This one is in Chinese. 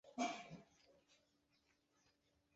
颗粒牛蛭为医蛭科牛蛭属的动物。